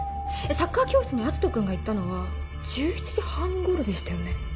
サッカー教室に篤斗君が行ったのは１７時半頃でしたよね？